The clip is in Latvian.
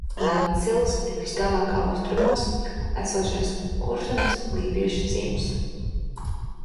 Melnsils ir vistālāk austrumos esošais Kurzemes lībiešu ciems.